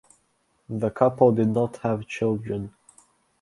The couple did not have children.